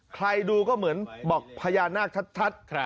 ใครดูก็เหมือนบอกพญานาคชัด